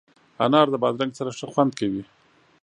انار د بادرنګ سره ښه خوند کوي.